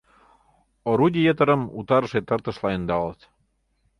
Орудий йытырым утарыше тыртышла ӧндалыт.